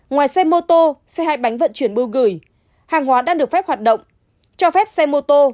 ngoài xe mô tô xe hai bánh vận chuyển bưu gửi hàng hóa đang được phép hoạt động cho phép xe mô tô